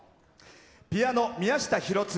ピアノ、宮下博次。